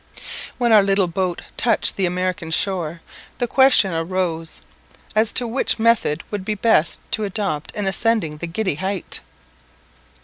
When our little boat touched the American shore, the question arose as to which method would be the best to adopt in ascending the giddy height.